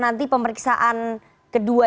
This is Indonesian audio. nanti pemeriksaan kedua